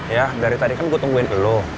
ya dari tadi kan gue tungguin dulu